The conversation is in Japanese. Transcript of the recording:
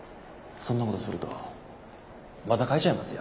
そんなことするとまた書いちゃいますよ。